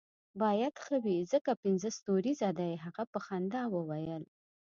باید ښه وي ځکه پنځه ستوریزه دی، هغه په خندا وویل.